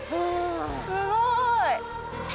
すごい！